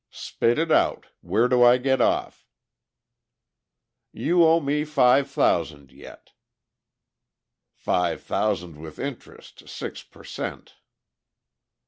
"Spit it out. Where do I get off?" "You owe me five thousand yet." "Five thousand with interest, six per cent...."